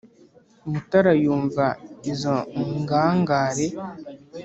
mutara yumva izo ngangare.